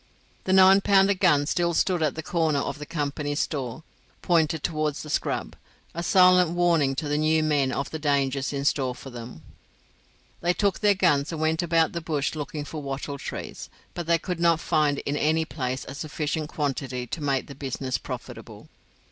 The nine pounder gun still stood at the corner of the company's store, pointed towards the scrub, a silent warning to the new men of the dangers in store for them. They took their guns and went about the bush looking for wattle trees, but they could not find in any place a sufficient quantity to make the business profitable.